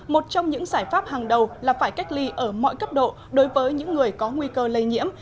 một trong những giải pháp hàng đầu là phải cách ly ở mọi cấp độ đối với những người có nguy cơ lây nhiễm